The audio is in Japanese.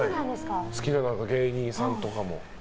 好きな芸人さんとかは？